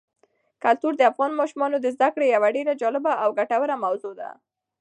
کلتور د افغان ماشومانو د زده کړې یوه ډېره جالبه او ګټوره موضوع ده.